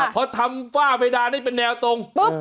พอทำฝ้าเพดานนี้เป็นแนวตรง